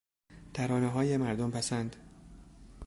ترانههای مردم پسند